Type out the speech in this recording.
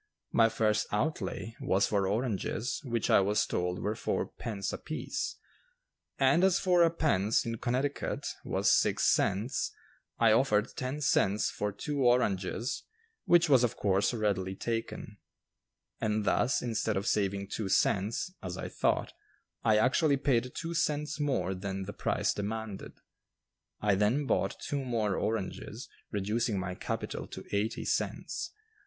My first outlay was for oranges which I was told were four pence apiece, and as "four pence" in Connecticut was six cents, I offered ten cents for two oranges which was of course readily taken; and thus, instead of saving two cents, as I thought, I actually paid two cents more than the price demanded. I then bought two more oranges, reducing my capital to eighty cents.